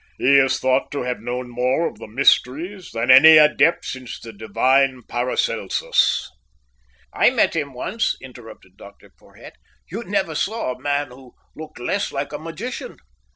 He is thought to have known more of the mysteries than any adept since the divine Paracelsus." "I met him once," interrupted Dr Porhoët. "You never saw a man who looked less like a magician.